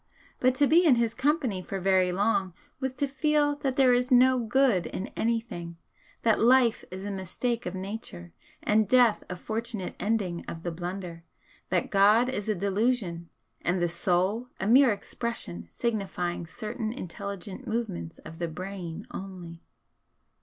But to be in his company for very long was to feel that there is no good in anything that life is a mistake of Nature, and death a fortunate ending of the blunder that God is a delusion and the 'Soul' a mere expression signifying certain intelligent movements of the brain only.